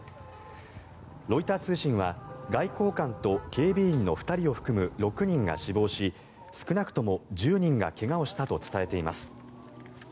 ロイター通信は外交官と警備員の２人を含む６人が死亡し少なくとも１０人が怪我をしたと伝えています。